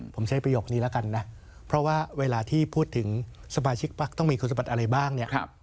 ผมใช้ประโยคนี้แล้วกันนะเพราะว่าเวลาที่พูดถึงสมาชิกพักต้องมีคุณสมบัติอะไรบ้างเนี่ย